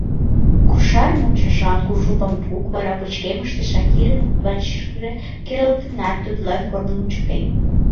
Кошар мучашан кужу бамбук вара пычкемыште Шакирын вачышкыже керылтынат, тудлан корным ончыктен.